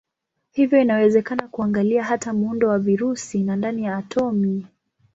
Hivyo inawezekana kuangalia hata muundo wa virusi na ndani ya atomi.